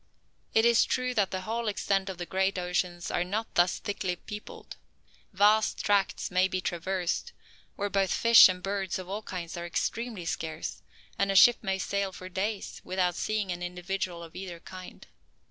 It is true that the whole extent of the great oceans are not thus thickly peopled. Vast tracts may be traversed, where both fish and birds of all kinds are extremely scarce; and a ship may sail for days without seeing an individual of either kind.